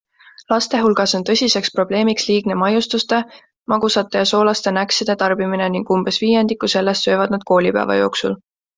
Laste hulgas on tõsiseks probleemiks liigne maiustuste, magusate ja soolaste näkside tarbimine ning umbes viiendiku sellest söövad nad koolipäeva jooksul.